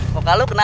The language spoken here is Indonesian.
pokoknya lo kenal